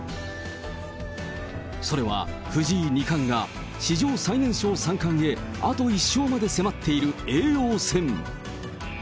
それは藤井二冠が史上最年少三冠へ、あと１勝まで迫っている叡王戦。